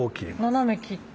斜め切って。